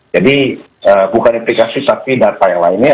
jadi bukan implikasi tapi data yang lainnya